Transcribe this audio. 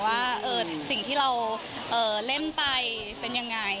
ว่าสิ่งที่เราเล่นไปเป็นยังไง